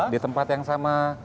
di tempat yang sama